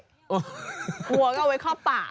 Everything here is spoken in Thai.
หัวก็เอาไว้ข้อปาก